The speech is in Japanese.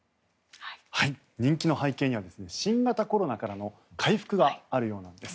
人気の背景には新型コロナからの回復があるようなんです。